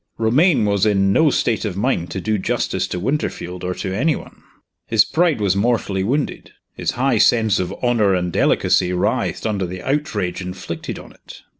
Romayne was in no state of mind to do justice to Winterfield or to any one. His pride was mortally wounded; his high sense of honor and delicacy writhed under the outrage inflicted on it.